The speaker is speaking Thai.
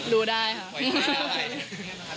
ดูได้ค่ะ